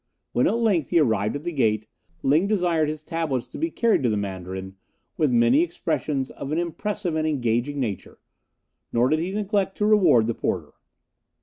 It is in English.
When at length he arrived at the gate, Ling desired his tablets to be carried to the Mandarin with many expressions of an impressive and engaging nature, nor did he neglect to reward the porter.